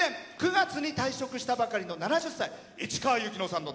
９月に退職したばかりの７０歳。